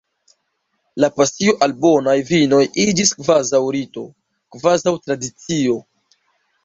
La pasio al bonaj vinoj iĝis kvazaŭ rito, kvazaŭ tradicio.